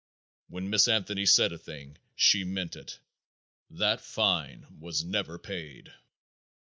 When Miss Anthony said a thing she meant it. That fine was never paid.